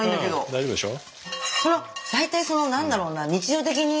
大丈夫でしょ。